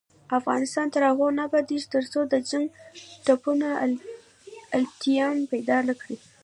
افغانستان تر هغو نه ابادیږي، ترڅو د جنګ ټپونه التیام پیدا نکړي.